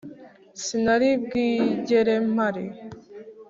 Sinari bwigere mpari